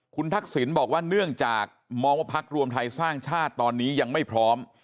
คุณทักษิณบอกว่าเนื่องจากมองว่าพักรวมไทยสร้างชาติตอนนี้ยังไม่พร้อม